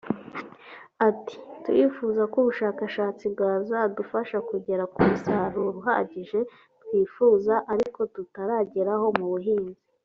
Ati ”Turifuza ko ubushakashatsi bwazadufasha kugera ku musaruro uhagije twifuza ariko tutarageraho mu buhinzi